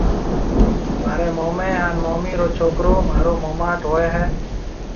مهاريَ موميَ هانَ مومِي رو ڇوڪرو مهارو موماٽ هوئيَ هيَ۔